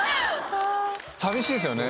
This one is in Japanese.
寂しいですよね。